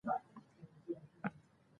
ماشومانو ته مالي روزنه ورکړئ.